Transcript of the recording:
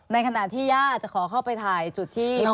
ในขณะที่ญาติจะขอเข้าไปถ่ายจุดที่